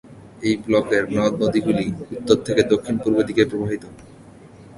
এই ব্লকের নদ-নদীগুলি উত্তর থেকে দক্ষিণ-পূর্বে দিকে প্রবাহিত।